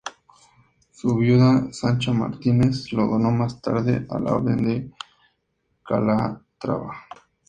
Su viuda, Sancha Martínez, lo donó más tarde a la Orden de Calatrava.